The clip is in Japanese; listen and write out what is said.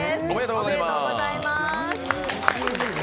おめでとうございます！